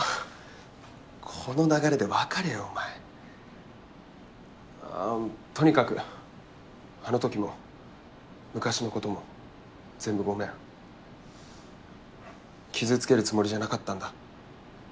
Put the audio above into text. この流れで分かれよお前あとにかくあのときも昔のことも全部ごめん傷つけるつもりじゃなかったんだ